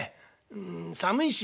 ん寒いし。